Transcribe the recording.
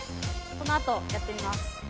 このあとやってみます。